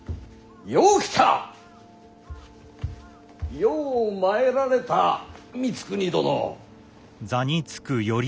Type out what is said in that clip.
よう参られた光圀殿。